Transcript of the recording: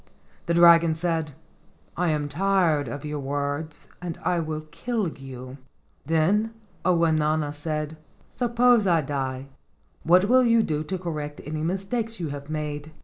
The dragon said, "I am tired of your words and I will kill you." Then Ounauna said, "Suppose I die, what will you do to correct any mistakes you have made?"